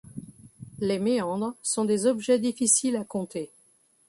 Les méandres sont des objets difficiles à compter.